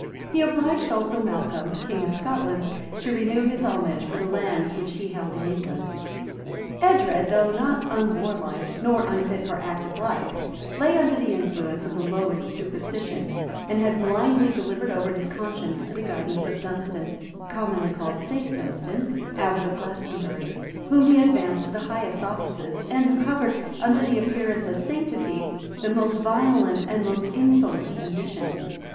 He obliged also Malcolm, king of Scotland, to renew his homage for the lands which he held in England. Edred, though not unwarlike, nor unfit for active life, lay under the influence of the lowest superstition, and had blindly delivered over his conscience to the guidance of Dunstan commonly called St. Dunstan, abbot of Glastonbury, whom he advanced to the highest offices, and who covered, under the appearance of sanctity, the most violent and most insolent ambition.